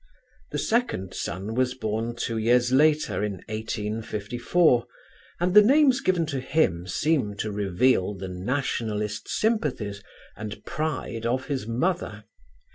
The second son was born two years later, in 1854 and the names given to him seem to reveal the Nationalist sympathies and pride of his mother.